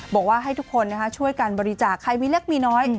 บอกว่าให้ทุกคนช่วยกันบริจาคใครมีเล็กมีน้อย